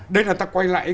đây là ta quay lại